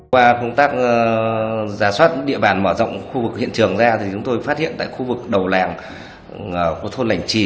qua công tác giả soát địa bàn mở rộng khu vực hiện trường ra thì chúng tôi phát hiện tại khu vực đầu làng của thôn lảnh trì